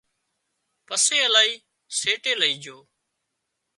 پسي الاهي سيٽي لئي جھو